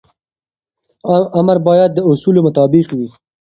امر باید د اصولو مطابق وي.